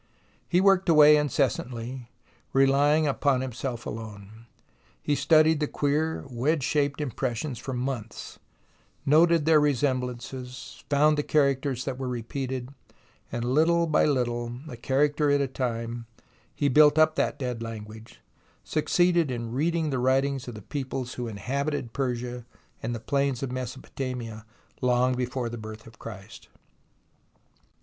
He worked away incessantly, relying upon himself alone. He studied the queer, wedge shaped im pressions for months, noted their resemblances, found the characters that were repeated, and little by little, a character at a time, he built up that dead language, succeeded in reading the writing of the peoples who inhabited Persia and the plains of Mesopotamia long before the birth of Christ.